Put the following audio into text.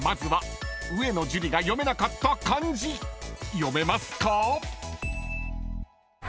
［読めますか？］